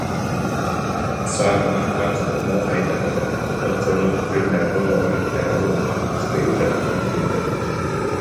Сааһынан хааччахтанара хайдах эрэ, оччону күннээҕи олоҕор истэрэ буолуо, үчүгэйи да, мөкүнү да,